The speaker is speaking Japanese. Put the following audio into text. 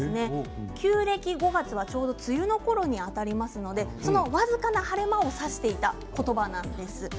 旧暦５月はちょうど梅雨のころに当たりますので僅かな晴れ間を指していた言葉なんです。